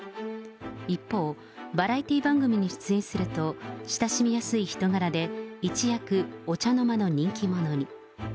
一方、バラエティー番組に出演すると、親しみやすい人柄で一躍、お茶の間の人気者に。